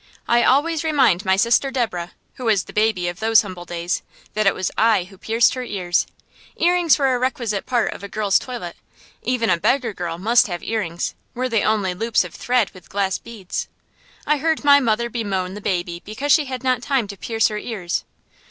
I always remind my sister Deborah, who was the baby of those humble days, that it was I who pierced her ears. Earrings were a requisite part of a girl's toilet. Even a beggar girl must have earrings, were they only loops of thread with glass beads. I heard my mother bemoan the baby because she had not time to pierce her ears.